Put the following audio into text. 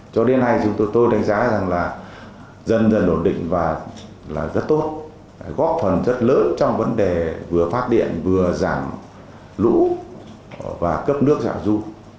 cho đến nay chúng tôi đánh giá rằng là dần dần đột định và rất tốt góp phần rất lớn trong vấn đề vừa phát điện vừa giảm lũ và cấp nước dạo du